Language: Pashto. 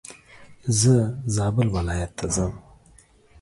زه زابل ولايت ته ځم.